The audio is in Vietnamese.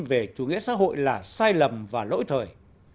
về chủ nghĩa xã hội là sai lầm và lỗi thời